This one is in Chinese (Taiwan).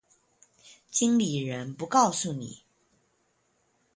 經理人不告訴你